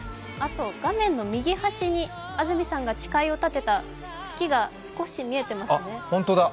画面の右端に安住さんが誓いを立てた月が少し見えてますね。